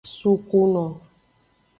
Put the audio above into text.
Sukuno.